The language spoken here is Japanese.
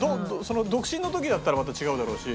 独身の時だったらまた違うだろうし。